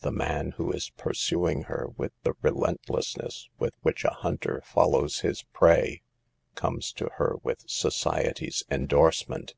The man who is pursuing her with the relentlessness with which a hunter follows his prey, comes to her with society's endorsement.